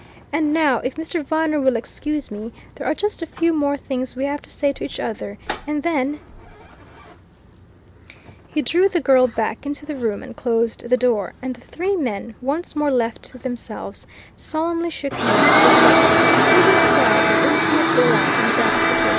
And now, if Mr. Viner will excuse me, there are just a few more things we have to say to each other, and then " He drew the girl back into the room and closed the door, and the three men, once more left to themselves, solemnly shook hands with each other, heaving sighs of infinite delight and gratification.